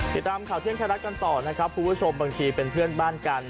ติดตามข่าวเที่ยงไทยรัฐกันต่อนะครับคุณผู้ชมบางทีเป็นเพื่อนบ้านกัน